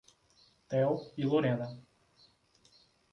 Theo e Lorena